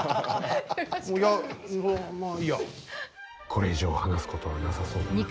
これ以上話すことはなさそうだな。